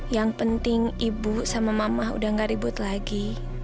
yang penting ibu sama mama udah gak ribut lagi